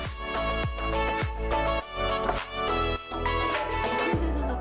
masak di dalam bumbu